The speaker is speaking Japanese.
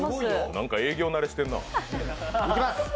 なんか営業慣れしてんなあ。